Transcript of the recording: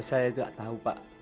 saya tidak tahu pak